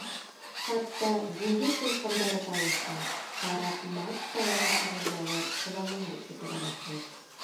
Хатта диңгеҙ тулҡындары тауышы, карап мачталары шығырлауы ҡолағына ишетелә башлай.